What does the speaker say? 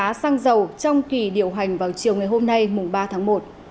giá xăng dầu trong kỳ điều hành vào chiều ngày hôm nay mùng ba tháng một